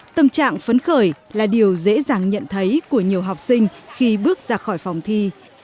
tâm trạng phấn khởi là điều dễ dàng nhận thấy của nhiều học sinh khi bước ra khỏi phòng thi